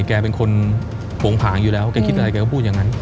แกเป็นคนโผงผางอยู่แล้วแกคิดอะไรแกก็พูดอย่างนั้น